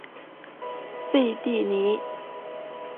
费蒂尼。